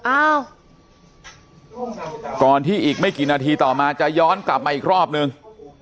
อ้าวก่อนที่อีกไม่กี่นาทีต่อมาจะย้อนกลับมาอีกรอบนึง